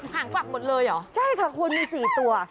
หางกวักหมดเลยเหรอใช่ค่ะคุณมี๔ตัว